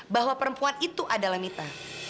bahwa perempuan itu adalah mita